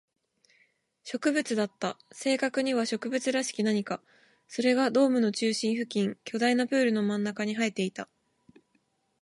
植物だった。正確には植物らしき何か。それがドームの中心付近、巨大なプールの真ん中に生えていた。